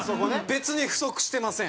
別に不足してません。